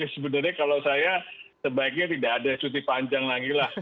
sebenarnya kalau saya sebaiknya tidak ada cuti panjang lagi lah